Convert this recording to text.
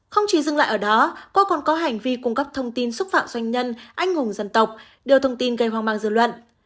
không chỉ dừng lại ở đó cô còn có hành vi cung cấp thông tin xúc phạm doanh nhân anh hùng dân tộc đưa thông tin gây hoang mang dư luận